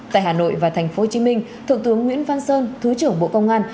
tại hà nội và tp hcm thượng tướng nguyễn văn sơn thứ trưởng bộ công an